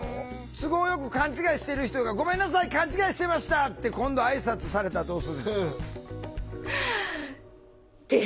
都合よく勘違いしてる人が「ごめんなさい勘違いしてました！」って今度あいさつされたらどうするんですか？